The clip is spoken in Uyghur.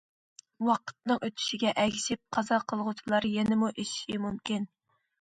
ۋاقىتنىڭ ئۆتۈشىگە ئەگىشىپ، قازا قىلغۇچىلار يەنىمۇ ئېشىشى مۇمكىن.